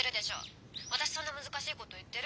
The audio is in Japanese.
私そんな難しいこと言ってる？